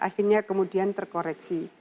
akhirnya kemudian terkoreksi